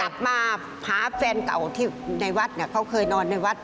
กลับมาหาแฟนเก่าที่ในวัดเนี่ยเขาเคยนอนในวัด